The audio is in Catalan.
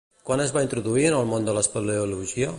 Quan es va introduir en el món de l'espeleologia?